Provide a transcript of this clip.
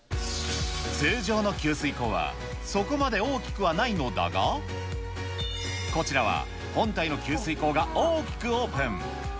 通常の給水口はそこまで大きくはないのだが、こちらは本体の給水口が大きくオープン。